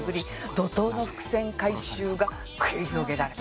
怒濤の伏線回収が繰り広げられます。